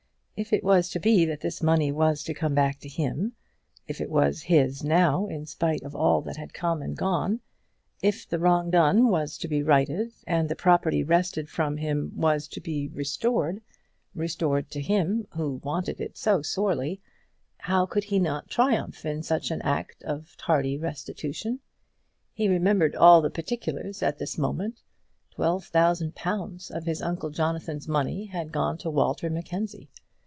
If it was to be that this money was to come back to him; if it was his now in spite of all that had come and gone; if the wrong done was to be righted, and the property wrested from him was to be restored, restored to him who wanted it so sorely, how could he not triumph in such an act of tardy restitution? He remembered all the particulars at this moment. Twelve thousand pounds of his uncle Jonathan's money had gone to Walter Mackenzie.